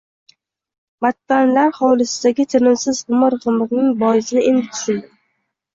Mattanilar hovlisidagi tinimsiz g`imir-g`imirning boisini endi tushundim